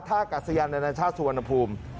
ท่ากัศยาลนาชาสุวรรณภูมิ